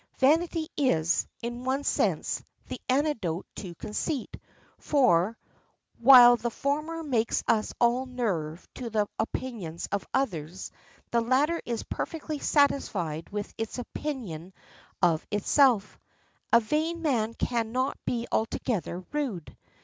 Vanity is, in one sense, the antidote to conceit, for, while the former makes us all nerve to the opinions of others, the latter is perfectly satisfied with its opinion of itself. A vain man can not be altogether rude.